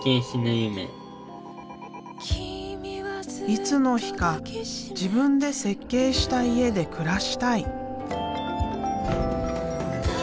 いつの日か自分で設計した家で暮らしたい。